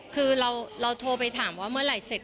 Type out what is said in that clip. คือเราโทรไปถามว่าเมื่อไหร่เสร็จ